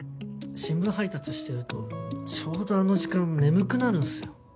新聞配達してるとちょうどあの時間眠くなるんですよ。